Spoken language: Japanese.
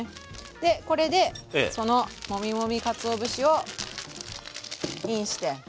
でこれでそのモミモミかつお節をインして。